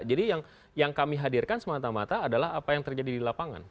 jadi yang kami hadirkan semata mata adalah apa yang terjadi di lapangan